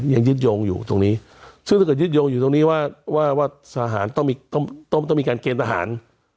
ยังยึดโยงอยู่ตรงนี้ซึ่งถ้าเกิดยึดโยงอยู่ตรงนี้ว่าว่าทหารต้องมีต้องมีการเกณฑ์ทหาร